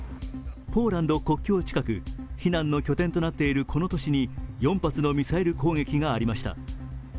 ポーランド国境近く、避難の拠点となっているこの都市に４発のミサイル攻撃がありました。